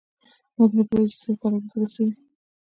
موږ نه پوهېږو چې زر کاله وروسته به څه وي.